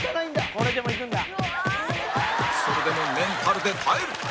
それでもメンタルで耐える！